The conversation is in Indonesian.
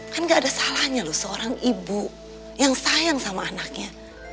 kan gak ada salahnya loh seorang ibu yang sayang sama anaknya